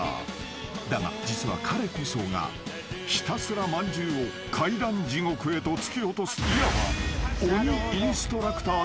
［だが実は彼こそがひたすらまんじゅうを階段地獄へと突き落とすいわば］